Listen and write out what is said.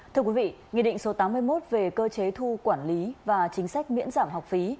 thưa quý vị nghị định số tám mươi một về cơ chế thu quản lý và chính sách miễn giảm học phí